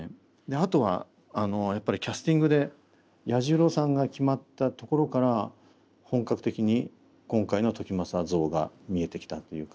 あとはあのやっぱりキャスティングで彌十郎さんが決まったところから本格的に今回の時政像が見えてきたというか。